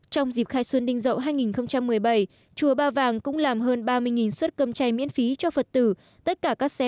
trong dịp khai xuân đinh dậu hai nghìn một mươi bảy chùa ba vàng cũng làm hơn ba mươi suất cơm chay